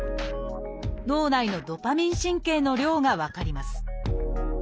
脳内のドパミン神経の量が分かります。